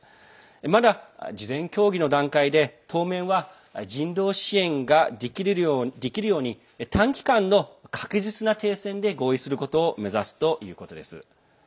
まだ事前協議の段階で当面は、人道支援ができるように短期間の確実な停戦で合意することを目指すということです。